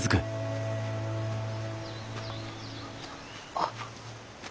あっ。